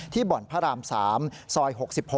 ที่บ่นพระราม๓ซอย๖๖